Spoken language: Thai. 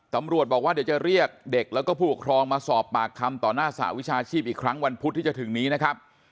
ตำรวจบอกว่าเดี๋ยวจะเรียกเด็กแล้วก็ผู้ปกครองมาสอบปากคำต่อหน้าสหวิชาชีพอีกครั้งวันพุธที่จะถึงนี้นะครับ